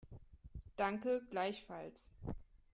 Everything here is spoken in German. Danke, gleichfalls.